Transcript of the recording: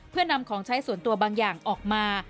เพื่อนำของใช้ส่วนตัวบางอย่างออกมา